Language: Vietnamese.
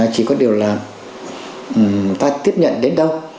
chỉ có điều là ta tiếp nhận đến đâu